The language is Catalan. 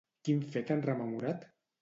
Quin fet han rememorat?